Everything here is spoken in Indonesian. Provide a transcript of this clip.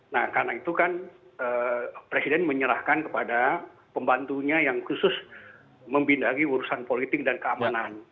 nah karena itu kan presiden menyerahkan kepada pembantunya yang khusus membidangi urusan politik dan keamanan